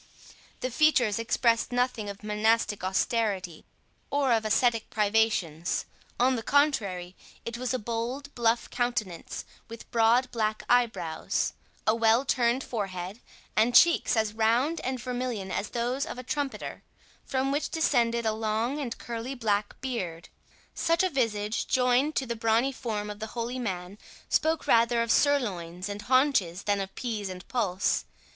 The features expressed nothing of monastic austerity, or of ascetic privations; on the contrary, it was a bold bluff countenance, with broad black eyebrows, a well turned forehead, and cheeks as round and vermilion as those of a trumpeter, from which descended a long and curly black beard. Such a visage, joined to the brawny form of the holy man, spoke rather of sirloins and haunches, than of pease and pulse.